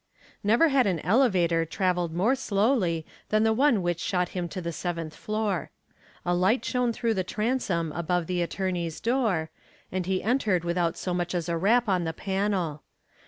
Never had an elevator traveled more slowly than the one which shot him to the seventh floor. A light shone through the transom above the attorneys' door and he entered without so much as a rap on the panel.